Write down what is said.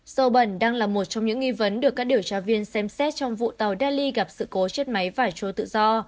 sâu bẩn đang là một trong những nghi vấn được các điều tra viên xem xét trong vụ tàu delhi gặp sự cố chết máy và trô tự do